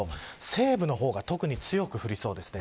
西部の方が特に強く降りそうです。